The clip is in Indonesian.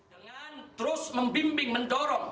dengan terus membimbing mentolong